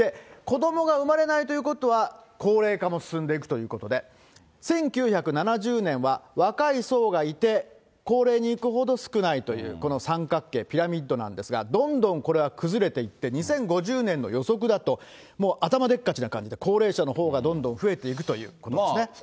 子どもが産まれないということは、高齢化も進んでいくということで、１９７０年は若い層がいて、高齢にいくほど少ないという、この三角形、ピラミッドなんですが、どんどんこれは崩れていって、２０５０年の予測だと、もう頭でっかちな感じで、高齢者のほうがどんどん増えていくという形ですね。